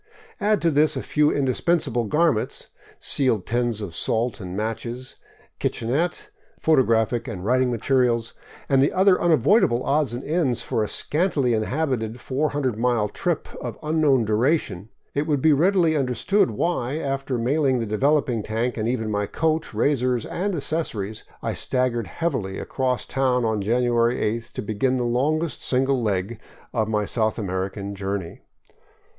Add to this a few indispensable garments, sealed tins of salt and matches, kitchenette, photographic and writing materials, and the other unavoidable odds and ends for a scantily inhabited 400 mile trip of unknown duration, and it will be readily understood why, after mailing the developing tank and even my coat, razor and accessories, I stag gered heavily across town on January 8th, to begin the longest single leg of my South American journey.